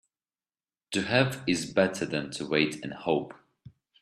To have is better than to wait and hope.